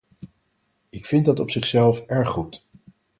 Ik vind dat op zichzelf erg goed.